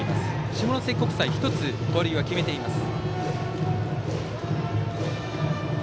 下関国際、１つは盗塁を決めています。